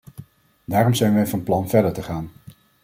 Daarom zijn wij van plan verder te gaan.